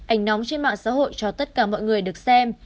ảnh nóng trên mạng xã hội cho tất cả mọi người được xem